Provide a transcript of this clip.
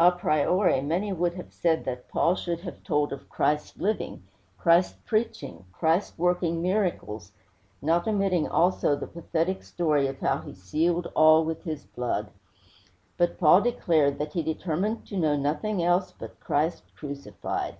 A priori, many would have said that Paul should have told of Christ living, Christ preaching, Christ working miracles, not omitting also the pathetic history of how he sealed all with his blood; but Paul declared that he determined to know nothing else but Christ crucified.